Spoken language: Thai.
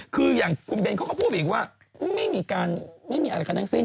คืออย่างคุณเบนเขาก็พูดอีกว่าไม่มีอะไรกันทั้งสิ้น